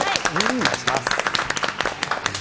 お願いします。